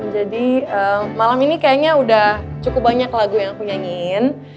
jadi malam ini kayaknya udah cukup banyak lagu yang aku nyanyiin